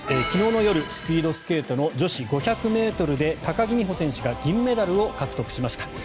昨日の夜、スピードスケートの女子５００ｍで高木美帆選手が銀メダルを獲得しました。